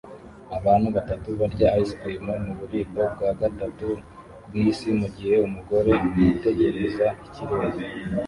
Abana batatu barya ice cream mububiko bwa gatatu bwisi mugihe umugore yitegereza ikirere